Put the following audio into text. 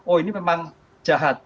oh ini memang jahat